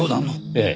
ええ。